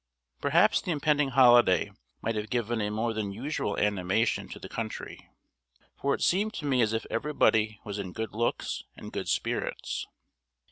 Perhaps the impending holiday might have given a more than usual animation to the country, for it seemed to me as if everybody was in good looks and good spirits.